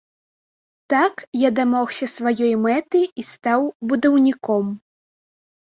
Так я дамогся сваёй мэты і стаў будаўніком.